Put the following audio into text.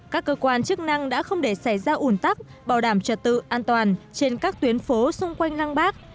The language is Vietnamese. các cơ quan chức năng đã không để xảy ra ủn tắc bảo đảm trật tự an toàn trên các tuyến phố xung quanh lăng bắc